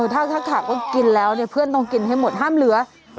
ถ้าขาดก็กินแล้วเนี่ยเพื่อนต้องกินให้หมดห้ามเหลือ